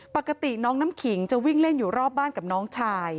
ปกติน้องน้ำขิงจะวิ่งเล่นอยู่รอบบ้านกับน้องชาย